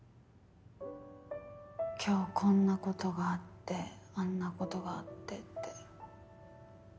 今日こんなことがあってあんなことがあってって。